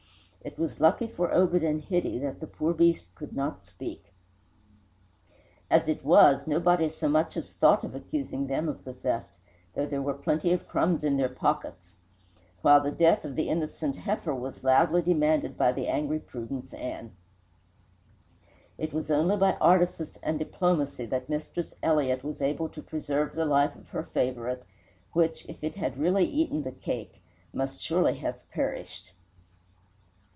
It was lucky for Obed and Hitty that the poor beast could not speak. As it was, nobody so much as thought of accusing them of the theft, though there were plenty of crumbs in their pockets, while the death of the innocent heifer was loudly demanded by the angry Prudence Ann. It was only by artifice and diplomacy that Mistress Elliott was able to preserve the life of her favourite, which, if it had really eaten the cake, must surely have perished.